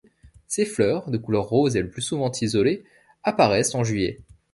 Ses fleurs, de couleur rose et le plus souvent isolées, apparaissent en juillet.